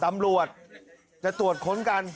ตำรวจจะตรวจค้นกัน